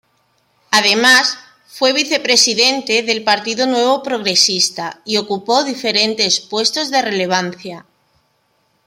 Además, fue Vice-presidente del Partido Nuevo Progresista y ocupó diferentes puestos de relevancia.